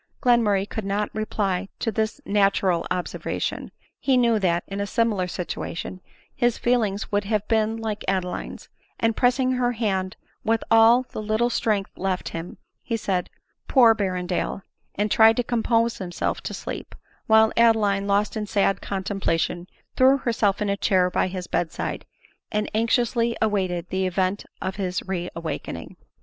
Glenmurray could not reply to this natural observation; he knew that, in a similar situation, his feelings would have been like Adeline's; and pressing her hand with all the little strength left him, he said " Poor Berrendale !" 184 ADELINE MOWBRAY. and tried to compose himself to sleep ; while Adeline, lost in sad contemplation, threw herself in a chair by his bed side, and anxiously awaited the event of his re awaking.